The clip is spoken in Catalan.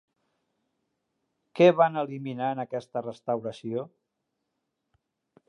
Què van eliminar en aquesta restauració?